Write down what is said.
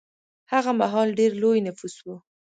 هغه مهال ډېر لوی نفوس و.